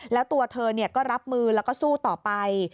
แล้วตัวเธอก็รับมือแล้วก็สู้ต่อไป